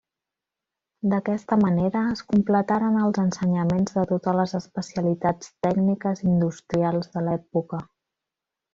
D'aquesta manera es completaren els ensenyaments de totes les especialitats tècniques industrials de l'època.